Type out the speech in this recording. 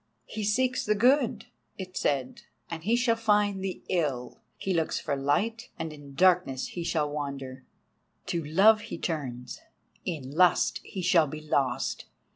"He seeks the Good," it said, "and he shall find the Ill! He looks for Light, and in Darkness shall he wander! To Love he turns, in Lust he shall be lost!